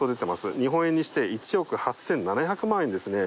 日本円にして１億８７００万円ですね。